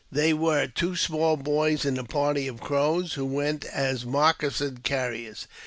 There were two small boys in the party of Crows,, who went as moccasin carriers.